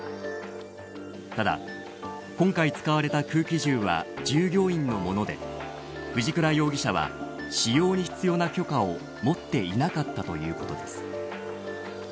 ただ、今回使われた空気銃は従業員のもので藤倉容疑者は使用に必要な許可を持っていなかったということです。